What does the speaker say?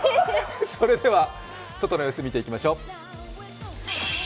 それでは外の様子を見ていきましょう。